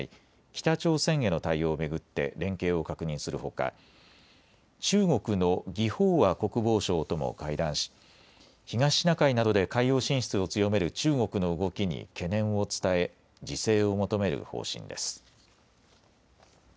北朝鮮への対応を巡って連携を確認するほか中国の魏鳳和国防相とも会談し東シナ海などで海洋進出を強める中国の動きに懸念を伝え自制を求める方針です。